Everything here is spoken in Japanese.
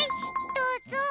どうぞ。